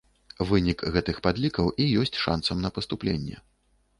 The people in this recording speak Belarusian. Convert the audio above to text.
Вынік гэтых падлікаў і ёсць шанцам на паступленне.